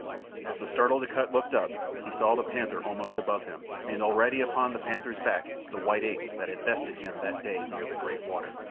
As the startled Akut looked up he saw the panther almost above him, and already upon the panther's back the white ape that had bested him that day near the great water.